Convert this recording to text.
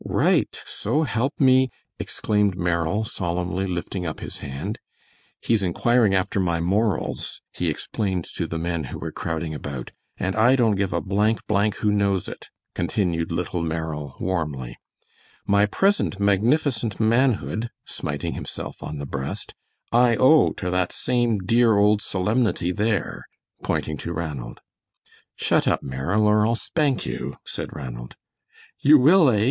"Right, so help me " exclaimed Merrill, solemnly, lifting up his hand. "He's inquiring after my morals," he explained to the men who were crowding about; "and I don't give a blank blank who knows it," continued little Merrill, warmly, "my present magnificent manhood," smiting himself on the breast, "I owe to that same dear old solemnity there," pointing to Ranald. "Shut up, Merrill, or I'll spank you," said Ranald. "You will, eh?"